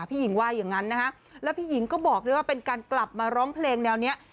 หญิงว่าอย่างนั้นนะฮะแล้วพี่หญิงก็บอกด้วยว่าเป็นการกลับมาร้องเพลงแนวนี้